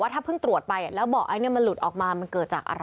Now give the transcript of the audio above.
ถ้าเพิ่งตรวจไปแล้วเบาะอันนี้มันหลุดออกมามันเกิดจากอะไร